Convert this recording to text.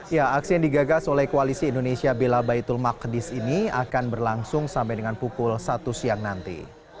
ya aksi yang digagas oleh koalisi indonesia bela baitul maqdis ini akan berlangsung sampai dengan pukul satu siang nanti